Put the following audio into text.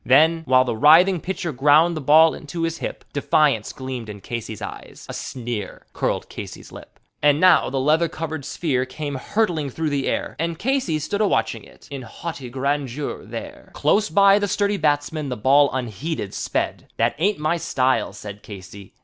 Then, while the writhing pitcher ground the ball into his hip, Defiance gleamed in Casey's eye, a sneer curled Casey's lip. And now the leather covered sphere came hurtling through the air, And Casey stood a watching it in haughty grandeur there, Close by the sturdy batsman the ball unheeded sped "That ain't my style," said Casey.